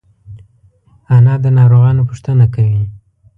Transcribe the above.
انا د ناروغانو پوښتنه کوي